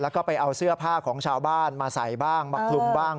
แล้วก็ไปเอาเสื้อผ้าของชาวบ้านมาใส่บ้างมาคลุมบ้าง